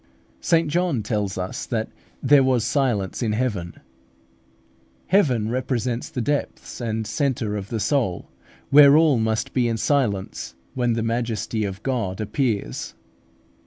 St John tells us that "there was silence in heaven." Heaven represents the depths and centre of the soul, where all must be in silence when the majesty of God appears.